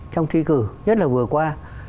trong thi cử nhất là vừa qua